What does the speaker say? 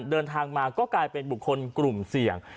เดินทางมาก็กลายเป็นบุคคลกลุ่มเสี่ยง